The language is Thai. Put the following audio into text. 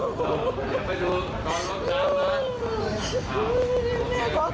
ร้องจากก็จับลึก